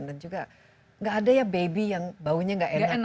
dan juga gak ada ya baby yang baunya gak enak kan ya